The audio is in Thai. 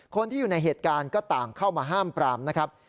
คนที่อยู่ในเหตุการณ์ก็ต่างเข้ามาห้ามปรามนะครับ